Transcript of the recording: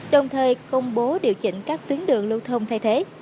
đồng thời công bố điều chỉnh các tuyến đường lưu thông thay thế